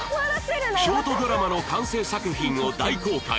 ショートドラマの完成作品を大公開